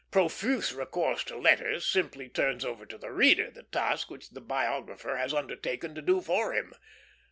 Profuse recourse to letters simply turns over to the reader the task which the biographer has undertaken to do for him.